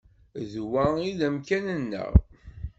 D wa ay d amkan-nneɣ.